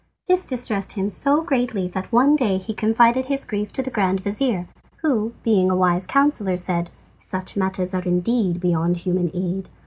This distressed him so greatly that one day he confided his grief to the grand vizir, who, being a wise counsellor, said: "Such matters are indeed beyond human aid.